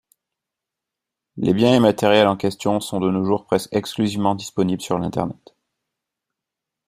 Les biens immatériels en question sont de nos jours presque exclusivement disponibles sur l'Internet.